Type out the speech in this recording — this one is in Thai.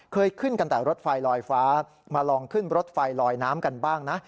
ขึ้นกันแต่รถไฟลอยฟ้ามาลองขึ้นรถไฟลอยน้ำกันบ้างนะ